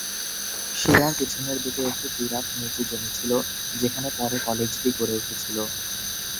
শিরার পিছনের দিকে একটি বিরাট নিচু জমি ছিল, যেখানে পরে কলেজটি গড়ে উঠেছিল।